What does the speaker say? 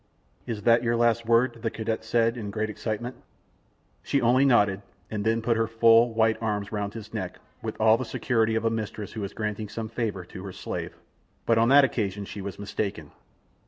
"Is that your last word?" the cadet said, in great excitement. She only nodded, and then put her full, white arms round his neck, with all the security of a mistress who is granting some favor to her slave; but on that occasion she was mistaken.